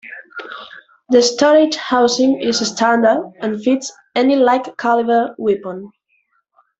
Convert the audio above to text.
The storage housing is standard and fits any like-caliber weapon.